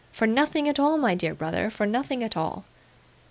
for nothing at all, my dear brother, for nothing at all.